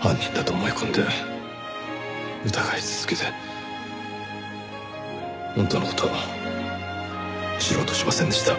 犯人だと思い込んで疑い続けて本当の事を知ろうとしませんでした。